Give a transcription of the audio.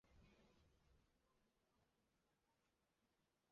曾连获三届国家新闻出版总署颁发的国家期刊奖。